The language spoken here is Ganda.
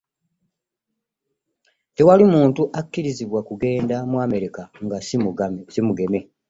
Tewali muntu akirizibwa kugenda mu America nga simugeme.